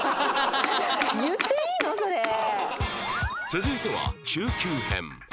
続いては中級編